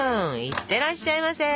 いってらっしゃいませ！